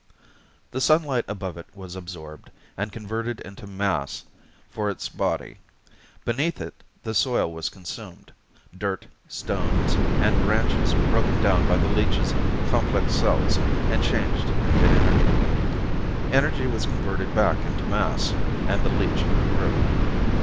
The sunlight above it was absorbed, and converted into mass for its body. Beneath it, the soil was consumed, dirt, stones and branches broken down by the leech's complex cells and changed into energy. Energy was converted back into mass, and the leech grew.